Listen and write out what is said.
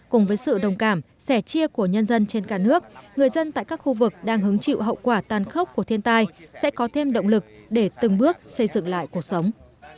cùng với sự đồng cảm sẻ chia của nhân dân trên cả nước người dân tại các khu vực đang hứng chịu hậu quả tan khốc của thiên tai sẽ có thêm động lực để từng bước xây dựng lại cuộc sống